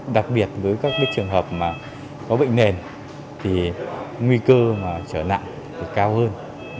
đặc biệt với các trường hợp có bệnh nền nguy cơ trở nặng cao hơn